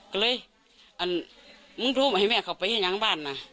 ก็เลยอันมึงโทรมาให้แม่เข้าไปให้งังบ้านนะ